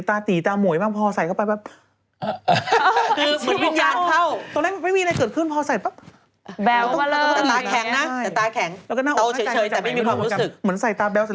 อ้าวอันนี้ด้วยก่อนค่ะ